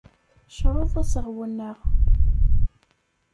Creḍ aseɣwen-a.